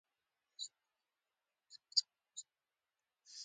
دا جوړښت له حجروي غشا څخه منشأ اخلي.